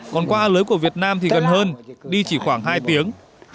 còn qua a lưới của việt nam thì gần hơn đi chỉ khoảng hai tiếng